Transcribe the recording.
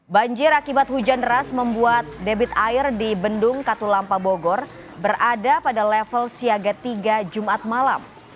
banjir akibat hujan deras membuat debit air di bendung katulampa bogor berada pada level siaga tiga jumat malam